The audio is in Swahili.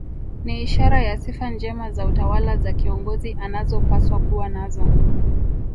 Ni ishara ya sifa njema za utawala za kiongozi anazopaswa kuwa nazo